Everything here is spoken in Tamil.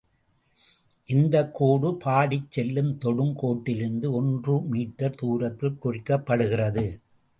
இந்தக் கோடு பாடிச் செல்லும் தொடும் கோட்டிலிருந்து ஒன்று மீட்டர் தூரத்தில் குறிக்கப்படுகிறது.